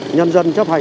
nhân dân chấp hành